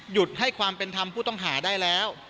ให้ความเป็นธรรมผู้ต้องหาได้แล้ว